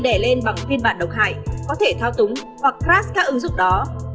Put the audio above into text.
kẻ lên bằng phiên bản độc hại có thể thao túng hoặc crash các ứng dụng đó